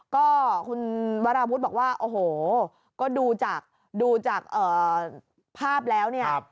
ก็คุณวาราพุทธบอกว่าโอ้โหก็ดูจากภาพแล้วเนี่ย